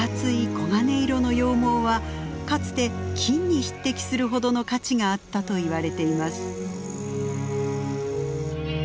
黄金色の羊毛はかつて金に匹敵するほどの価値があったと言われています。